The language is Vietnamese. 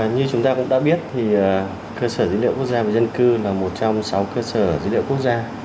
như chúng ta cũng đã biết thì cơ sở dữ liệu quốc gia về dân cư là một trong sáu cơ sở dữ liệu quốc gia